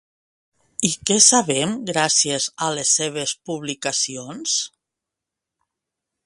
I què sabem gràcies a les seves publicacions?